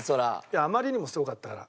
いやあまりにもすごかったから。